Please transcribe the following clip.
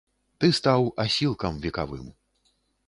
Ты стаў асілкам векавым.